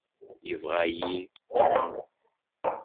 Yebɣa-yi Tom.